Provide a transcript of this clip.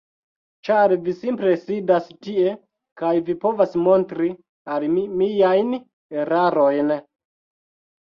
Ĉar vi simple sidas tie, kaj vi povas montri al mi miajn erarojn.